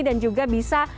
dan juga bisa